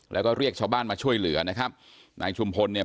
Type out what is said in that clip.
แล้วก็เรียกชาวบ้านมาช่วยเหลือนะครับนายชุมพลเนี่ย